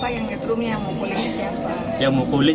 yang ditrumnya siapa yang mukulin siapa